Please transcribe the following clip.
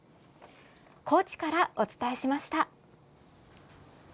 高知からお伝えしました。